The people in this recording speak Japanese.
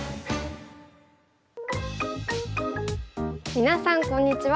皆さんこんにちは。